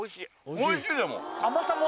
おいしいでも。